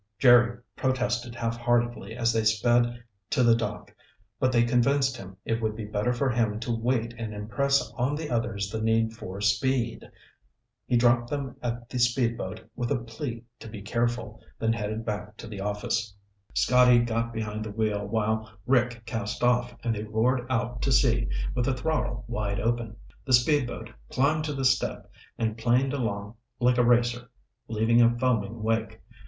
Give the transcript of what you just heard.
Jerry protested halfheartedly as they sped to the dock, but they convinced him it would be better for him to wait and impress on the others the need for speed. He dropped them at the speedboat with a plea to be careful, then headed back to the office. Scotty got behind the wheel while Rick cast off and they roared out to sea with the throttle wide open. The speedboat climbed to the step and planed along like a racer, leaving a foaming wake.